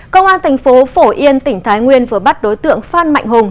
công an tp phổ yên tỉnh thái nguyên vừa bắt đối tượng phan mạnh hùng